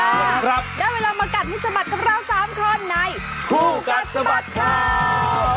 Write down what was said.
ได้เวลามากัดให้สะบัดกับเรา๓คนในคู่กัดสะบัดข่าว